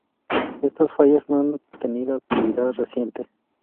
Estas fallas no han tenido actividad reciente.